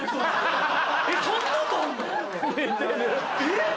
えっ？